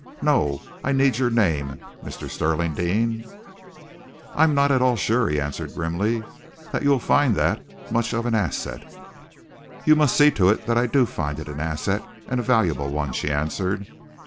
No! I need your name, Mr. Stirling Deane." "I am not at all sure," he answered grimly, "that you will find that much of an asset." "You must see to it that I do find it an asset, and a valuable one," she answered.